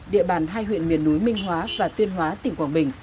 địa bàn hai huyện miền núi minh hóa và tuyên hóa tỉnh quảng bình